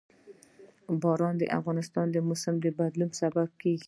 باران د افغانستان د موسم د بدلون سبب کېږي.